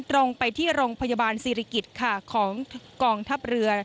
ตรงไปที่โรงพยาบาลศิริกิจค่ะของกองทัพเรือ